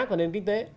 của nền kinh tế